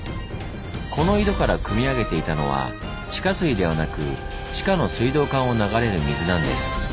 この井戸からくみ上げていたのは地下水ではなく地下の水道管を流れる水なんです。